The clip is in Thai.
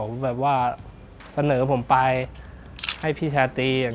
เขาเสนอผมไปให้พี่ชาติ